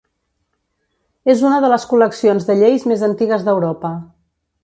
És una de les col·leccions de lleis més antigues d'Europa.